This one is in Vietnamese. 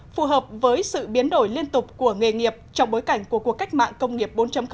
phù hợp với sự biến đổi liên tục của nghề nghiệp trong bối cảnh của cuộc cách mạng công nghiệp bốn